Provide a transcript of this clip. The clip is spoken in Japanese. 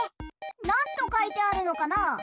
なんとかいてあるのかな？